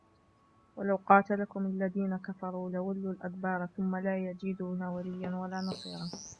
ولو قاتلكم الذين كفروا لولوا الأدبار ثم لا يجدون وليا ولا نصيرا